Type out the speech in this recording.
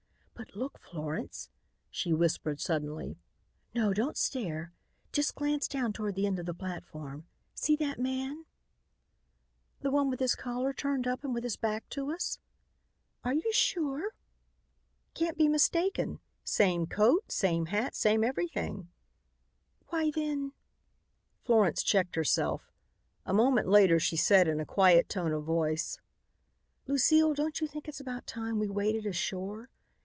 But look, Florence," she whispered suddenly. "No, don't stare, just glance down toward the end of the platform. See that man?" "The one with his collar turned up and with his back to us?" "Yes." "That's the man who passed us when we were on our way to the mystery cottage." "Are you sure?" "Can't be mistaken. Same coat, same hat, same everything." "Why then " Florence checked herself. A moment later she said in a quiet tone of voice: "Lucile, don't you think it's about time we waded ashore?